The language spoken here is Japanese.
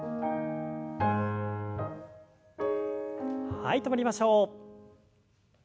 はい止まりましょう。